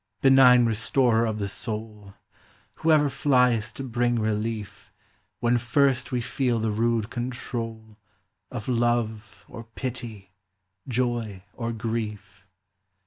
Benign restorer of the soul ! Who ever fliest to bring relief, When first we feel the rude control Of Love or Pity, Joy or Grief.